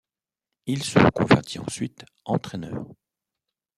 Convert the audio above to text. Il se reconvertit ensuite entraîneur.